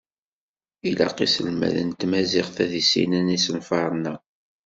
Ilaq iselmaden n tmaziɣt ad issinen isenfaṛen-a.